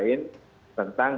dan juga lain lain tentang